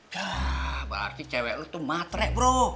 gah berarti cewe lu tuh matrek bro